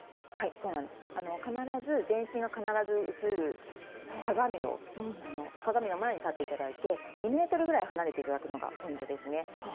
必ず全身が映る鏡の前に立っていただいて２ｍくらい離れていただくのがポイントです。